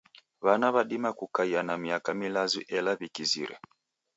W'ana w'adima kukaia na miaka milazi ela w'ikizire.